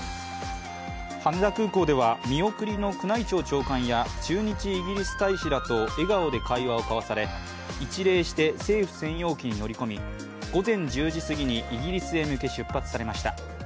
羽田空港では、見送りの宮内庁長官や駐日イギリス大使らと笑顔で会話を交わされ一礼して政府専用機に乗り込み午前１０時すぎにイギリスへ向け出発されました。